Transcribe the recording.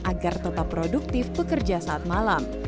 agar tetap produktif bekerja saat malam